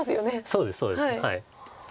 そうですそうです。